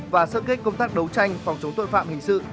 và sơ kết công tác đấu tranh phòng chống tội phạm hình sự